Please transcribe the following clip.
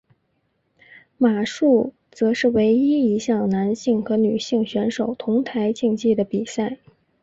马术则是唯一一项男性和女性选手同台竞技的比赛。